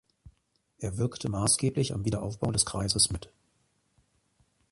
Er wirkte maßgeblich am Wiederaufbau des Kreises mit.